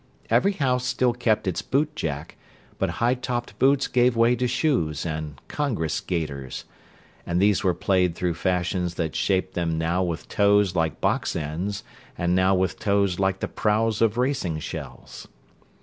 Every house still kept its bootjack, but high topped boots gave way to shoes and "congress gaiters"; and these were played through fashions that shaped them now with toes like box ends and now with toes like the prows of racing shells.